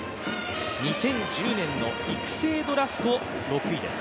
２０１０年の育成ドラフト６位です。